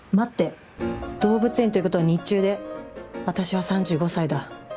動物園ということは日中で私は三十五歳だ」。